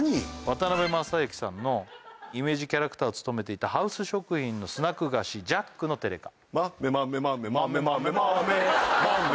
渡辺正行さんのイメージキャラクター務めていたハウス食品のスナック菓子ジャックのテレカ